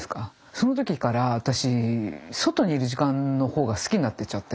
その時から私外にいる時間の方が好きになっていっちゃって。